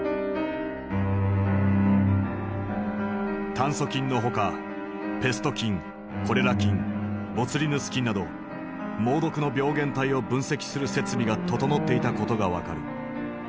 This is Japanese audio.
炭疽菌のほかペスト菌コレラ菌ボツリヌス菌など猛毒の病原体を分析する設備が整っていたことが分かる。